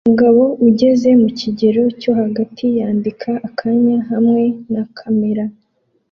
Umugabo ugeze mu kigero cyo hagati yandika akanya hamwe na kamera